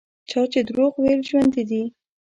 چا چې دروغ ویل ژوندي دي.